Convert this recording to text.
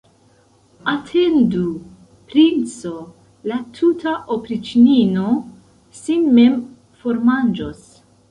Atendu, princo, la tuta opriĉnino sin mem formanĝos.